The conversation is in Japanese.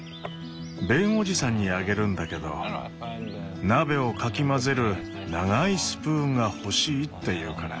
ベン叔父さんにあげるんだけど「鍋をかき混ぜる長いスプーンが欲しい」って言うから。